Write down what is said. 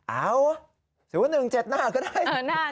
เอา๐๑๗หน้าก็ได้